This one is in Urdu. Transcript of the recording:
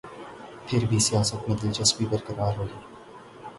پھر بھی سیاست میں دلچسپی برقرار رہی۔